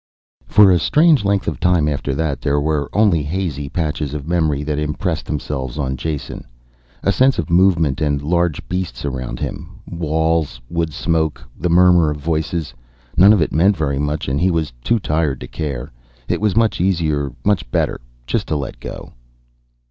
For a strange length of time after that, there were only hazy patches of memory that impressed themselves on Jason. A sense of movement and large beasts around him. Walls, wood smoke, the murmur of voices. None of it meant very much and he was too tired to care. It was easier and much better just to let go.